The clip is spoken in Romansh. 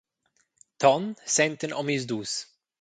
Ton sentan omisdus.